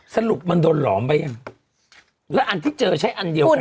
สรุปมันโดนหลอมไปยังแล้วอันที่เจอใช้อันเดียวกัน